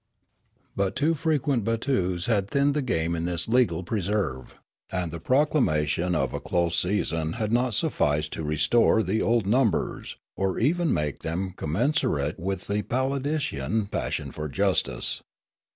But too frequent battues had thinned the game in this legal preserve, and the proclamation of a close season had not sufficed to restore the old numbers, or even make them commensurate with the Palindician passion for justice.